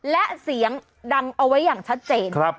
และเสียงดังเอาไว้อย่างชัดเจน